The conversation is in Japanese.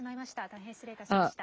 大変失礼いたしました。